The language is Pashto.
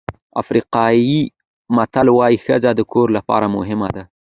افریقایي متل وایي ښځه د کور لپاره مهمه ده.